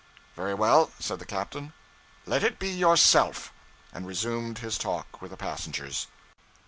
'Very well,' said the captain, 'let it be yourself;' and resumed his talk with the passengers.